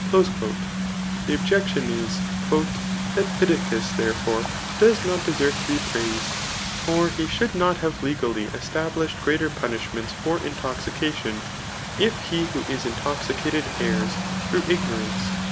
*' The objection is, "That Pittacus, therefore, does not deserve to be praised ; ior he should not have legally established greater punishments [for intoxication,] if he who is intoxicated errs [through ig norance.